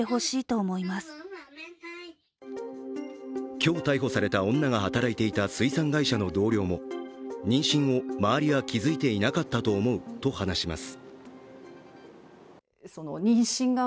今日逮捕された女が働いていた水産会社の同僚も妊娠を周りは気づいていなかったと思うと話します。